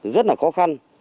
rất là khó khăn